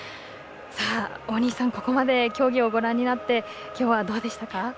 大西さん、ここまで競技をご覧になってきょうはどうでしたか。